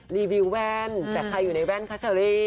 รีวิวแว่นแต่ใครอยู่ในแว่นคะเชอรี่